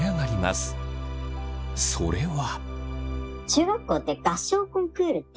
それは。